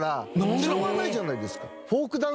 しょうがないじゃないですか。